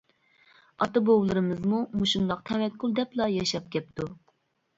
ئاتا-بوۋىلىرىمىزمۇ مۇشۇنداق تەۋەككۈل دەپلا ياشاپ كەپتۇ.